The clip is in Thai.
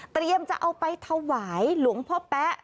เตรียมจะเอาไปถวายหลวงพ่อแป๊ะ